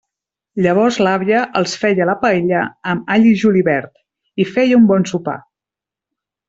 Llavors l'àvia els feia a la paella amb all i julivert, i feia un bon sopar.